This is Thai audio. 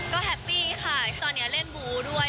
ก็แฮปปี้ค่ะที่ตอนนี้เล่นบูด้วย